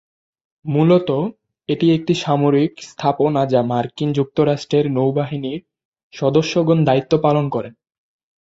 মূলতঃ এটি একটি সামরিক স্থাপনা যা মার্কিন যুক্তরাষ্ট্রের নৌবাহিনীর সদস্যগণ দায়িত্ব পালন করেন।